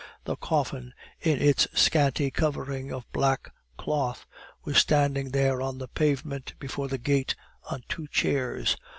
The coffin, in its scanty covering of black cloth, was standing there on the pavement before the gate, on two chairs.